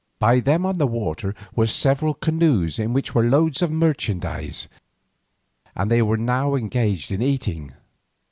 By them on the water were several canoes in which were loads of merchandise, and they were now engaged in eating.